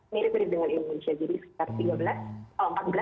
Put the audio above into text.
mirip mirip dengan indonesia jadi setelah